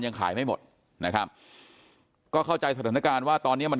ยังขายไม่หมดนะครับก็เข้าใจสถานการณ์ว่าตอนเนี้ยมัน